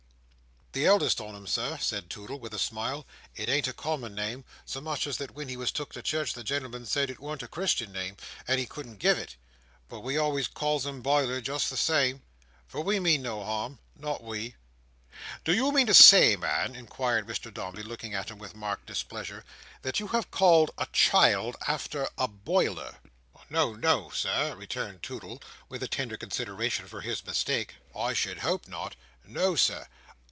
"The eldest on 'em, Sir," said Toodle, with a smile. "It ain't a common name. Sermuchser that when he was took to church the gen'lm'n said, it wamm't a chris'en one, and he couldn't give it. But we always calls him Biler just the same. For we don't mean no harm. Not we." "Do you mean to say, Man," inquired Mr Dombey; looking at him with marked displeasure, "that you have called a child after a boiler?" "No, no, Sir," returned Toodle, with a tender consideration for his mistake. "I should hope not! No, Sir.